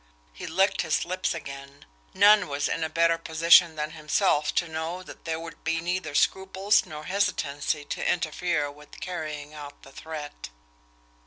He licked his lips again none was in a better position than himself to know that there would be neither scruples nor hesitancy to interfere with carrying out the threat.